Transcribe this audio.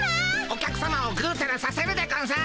お客さまをぐーたらさせるでゴンス。